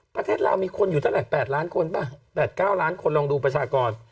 ประเทศลาวมีคนอยู่เท่าไหร่๘ล้านคนป่ะ๘๙ล้านคนลองดูประชากร